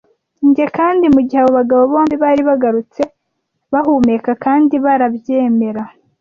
njye, kandi mugihe abo bagabo bombi bari bagarutse bahumeka kandi barabyemera